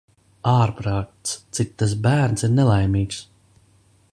Ārprāts, cik tas bērns ir nelaimīgs!